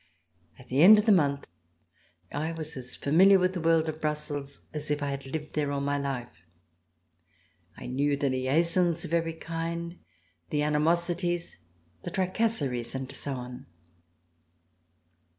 At the end of a month I was as familiar with the world of Brussels as if I had lived there all my life. I knew the liaisons of every kind, the animosities, the tracasseries and so on.